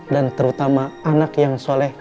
dan terutama anak yang soleh